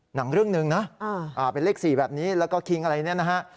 หนังเรื่องหนึ่งนะเป็นเลข๔แบบนี้แล้วก็คิงอะไรเนี่ยนะฮะ